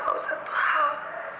harus tahu satu hal